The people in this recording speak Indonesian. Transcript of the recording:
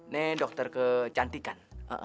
nih dokter kecantikan